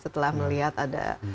setelah melihat ada